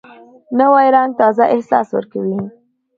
نوی رنګ تازه احساس ورکوي